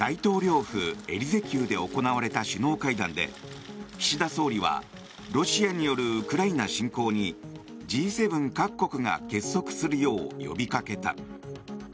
府エリゼ宮で行われた首脳会談で岸田総理はロシアによるウクライナ侵攻にＧ７各国が結束するよう呼びかけた。